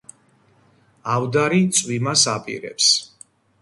ავდარი წვიმას აპირებს.